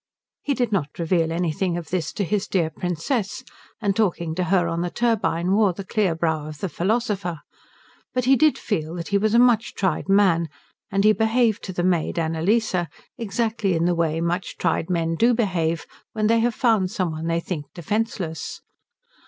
He did not reveal anything of this to his dear Princess, and talking to her on the turbine wore the clear brow of the philosopher; but he did feel that he was a much tried man, and he behaved to the maid Annalise exactly in the way much tried men do behave when they have found some one they think defenceless.